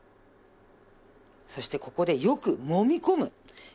そしてここでよくもみ込む！